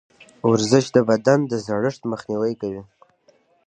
ورزش د بدن د زړښت مخنیوی کوي.